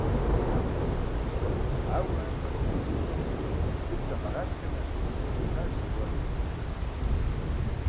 Ауэ ар пасэрей Къуэкӏыпӏэм щынэхъ лъэщ дыдэ къэралхэм ящыщ зыуэ щытащ зэгуэр.